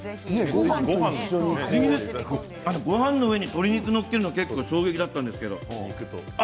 ごはんの上に鶏肉が載ってるの結構衝撃だったんですけれど。